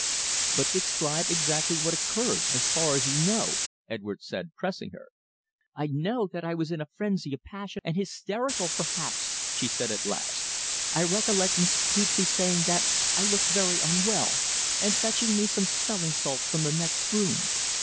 "But describe exactly what occurred as far as you know," Edwards said, pressing her. "I know that I was in a frenzy of passion, and hysterical, perhaps," she said at last. "I recollect Mrs. Petre saying that I looked very unwell, and fetching me some smelling salts from the next room.